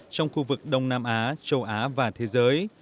trong khu vực đông nam á châu á và thế giới